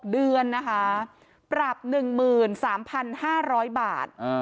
๖เดือนปรับ๑๓๕๐๐บาท